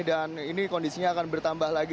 dan ini kondisinya akan bertambah lagi